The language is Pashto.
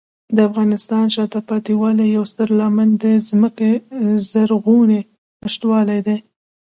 د افغانستان د شاته پاتې والي یو ستر عامل د ځمکې زرغونې نشتوالی دی.